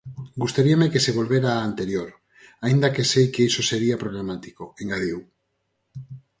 Gustaríame que se volvera á anterior, aínda que sei que iso sería problemático, engadiu.